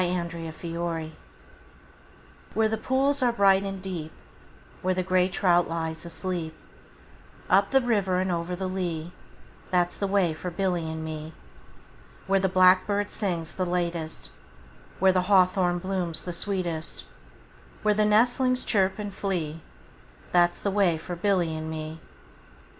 A Boy's Song WHERE the pools are bright and deep, Where the grey trout lies asleep, Up the river and over the lea, That 's the way for Billy and me. Where the blackbird sings the latest, 5 Where the hawthorn blooms the sweetest, Where the nestlings chirp and flee, That 's the way for Billy and me.